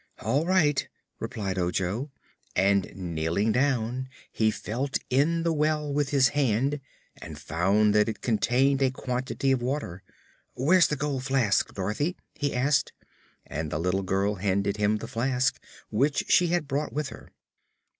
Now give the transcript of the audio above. "All right," replied Ojo, and kneeling down he felt in the well with his hand and found that it contained a quantity of water. "Where's the gold flask, Dorothy?" he asked, and the little girl handed him the flask, which she had brought with her.